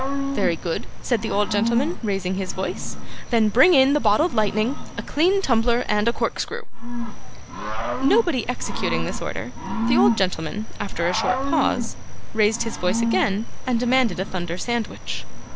'Very good,' said the old gentleman, raising his voice, 'then bring in the bottled lightning, a clean tumbler, and a corkscrew.' Nobody executing this order, the old gentleman, after a short pause, raised his voice again and demanded a thunder sandwich.